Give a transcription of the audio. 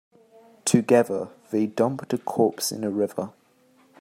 Together, they dump the corpse in a river.